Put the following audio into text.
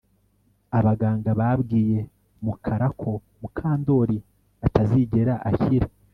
Abaganga babwiye Mukara ko Mukandoli atazigera akira